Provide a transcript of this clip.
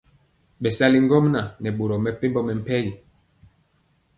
Bɛsali ŋgomnaŋ nɛ boro mepempɔ mɛmpegi.